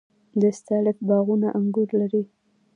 د استالف باغونه انګور لري.